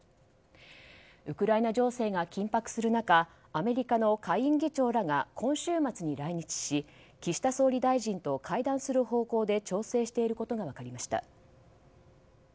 ウクライナ情勢が緊迫化する中アメリカの下院議長らが今週末に来日し岸田総理大臣と会談する方向で調整していることが分かりました。